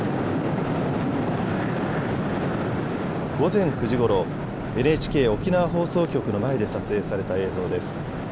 午前９時ごろ、ＮＨＫ沖縄放送局の前で撮影された映像です。